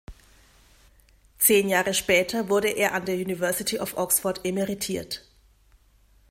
Zehn Jahre später wurde er an der University of Oxford emeritiert.